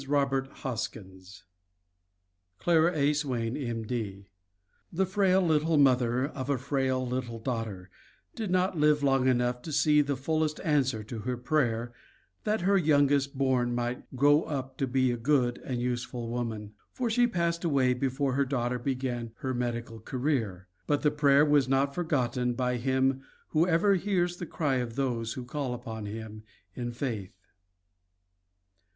ROBERT HOSKINS 1912 "The frail little mother of a frail little daughter" did not live long enough to see the fullest answer to her prayer that her youngest born might "grow up to be a good and useful woman," for she passed away before her daughter began her medical career, but the prayer was not forgotten by Him who ever hears the cry of those who call upon Him in faith.